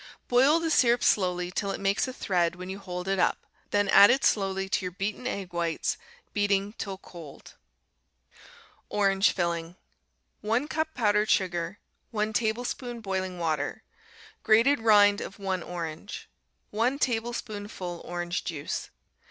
Boil the syrup slowly till it makes a thread when you hold it up; then add it slowly to your beaten egg whites, beating till cold. Orange Filling 1 cup powdered sugar. 1 tablespoonful boiling water. Grated rind of 1 orange. 1 tablespoonful orange juice.